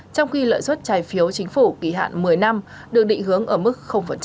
trong khi lợi suất trái phiếu chính phủ kỳ hạn một mươi năm được định hướng ở mức